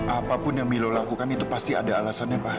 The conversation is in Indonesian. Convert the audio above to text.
apapun yang milo lakukan itu pasti ada alasannya pak